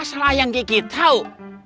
asal ayang kiki tau